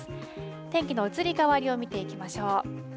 天気の移り変わりを見ていきましょう。